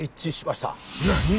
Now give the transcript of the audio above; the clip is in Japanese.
何！？